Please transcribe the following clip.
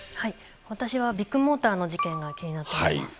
私はビッグモーターの事件が気になっています。